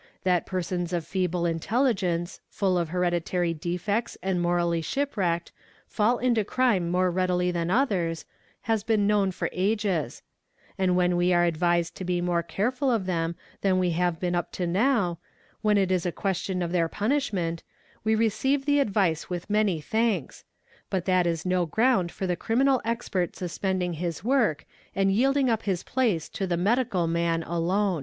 'That persons of feeble intelligence, full 5 hereditary defects and morally shipwrecked, fall into crime more readil} than others, has been known for ages; and when we are advised to k more careful of them than we have been up to now, when it is a que tion of their punishment, we receive the advice with many thanks; bh that is no ground for the criminal expert suspending his work and _yiel ing up his place to the medical man alone.